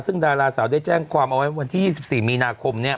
ซึ่งดาราสาวได้แจ้งความเอาไว้วันที่๒๔มีนาคมเนี่ย